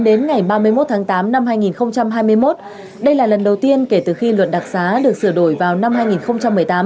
đến ngày ba mươi một tháng tám năm hai nghìn hai mươi một đây là lần đầu tiên kể từ khi luật đặc xá được sửa đổi vào năm hai nghìn một mươi tám